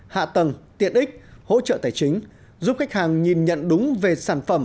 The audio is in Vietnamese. hạ tầng tiện ích hỗ trợ tài chính giúp khách hàng nhìn nhận đúng về sản phẩm